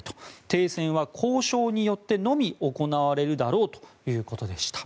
停戦は交渉によってのみ行われるだろうということでした。